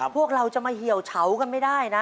พวกเราจะมาเหี่ยวเฉากันไม่ได้นะ